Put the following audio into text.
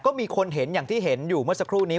ก็มีคนเห็นอย่างที่เห็นอยู่เมื่อสักครู่นี้